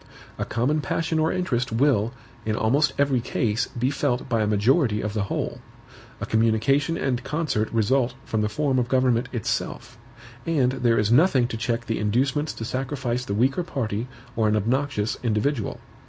A common passion or interest will, in almost every case, be felt by a majority of the whole; a communication and concert result from the form of government itself; and there is nothing to check the inducements to sacrifice the weaker party or an obnoxious individual.